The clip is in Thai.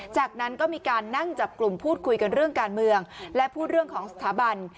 จากนั้นก็มีการนั่งจับกลุ่มพูดคุยกันเรื่องการเมืองและพูดเรื่องของสถาบัน